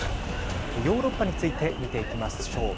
ヨーロッパについて見ていきましょう。